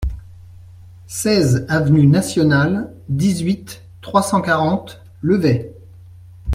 seize avenue Nationale, dix-huit, trois cent quarante, Levet